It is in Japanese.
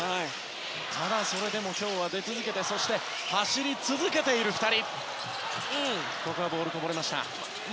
ただそれでも今日は出続けてそして、走り続けている２人。